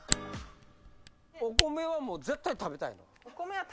お米はもう絶対食べたいの？